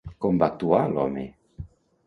Com va actuar l'home?